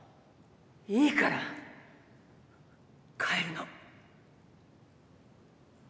いいから帰るの。